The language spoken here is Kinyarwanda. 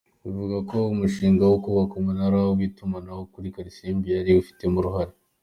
Bivugwa ko n’umushinga wo kubaka umunara w’itumanaho kuri Kalisimbi yari awufitemo uruhare.